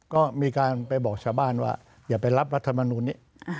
ก็มีการไปบอกชาวบ้านว่าอย่าไปรับรัฐมนูลนี้